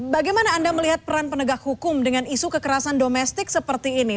bagaimana anda melihat peran penegak hukum dengan isu kekerasan domestik seperti ini